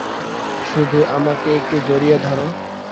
শুধু আমাকে একটু জড়িয়ে ধর।